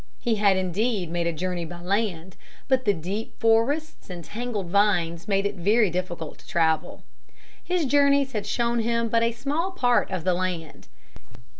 He had indeed made a journey by land. But the deep forests and tangled vines made it very difficult to travel. His journeys had shown him but a small part of the land.